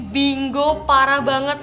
bingo parah banget